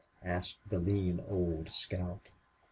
asked the lean old scout.